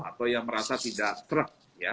atau yang merasa tidak struk